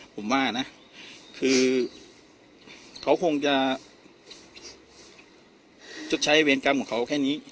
ผมว่านะคือเขาคงจะชดใช้เวรกรรมของเขาแค่นี้